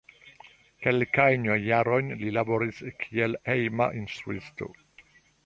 Kelkajn jarojn li laboris kiel hejma instruisto.